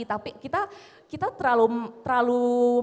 tapi kita terlalu